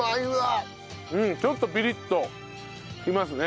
うんちょっとピリッとしますね。